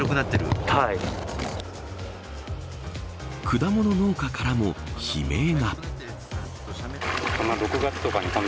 果物農家からも悲鳴が。